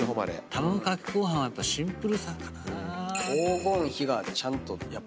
たまごかけごはんはやっぱシンプルさかなぁ。